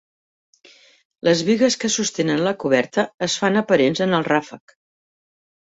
Les bigues que sostenen la coberta es fan aparents en el ràfec.